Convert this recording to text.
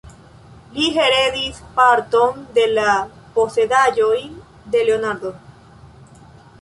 Li heredis parton de la posedaĵoj de Leonardo.